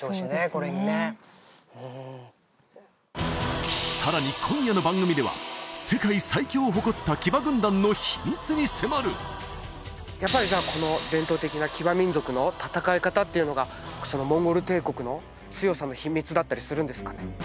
これにねさらに今夜の番組では世界最強を誇った騎馬軍団の秘密に迫るやっぱりこの伝統的な騎馬民族の戦い方っていうのがモンゴル帝国の強さの秘密だったりするんですかね？